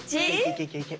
いけいけ！